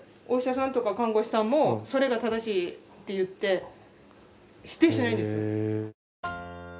お医者さんとか看護師さんもそれが正しいって言って否定しないんですよ。